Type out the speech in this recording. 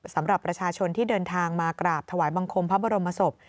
สำหรับประชาชนที่เดินทางมากราบถวายบังคมพระบรมศพ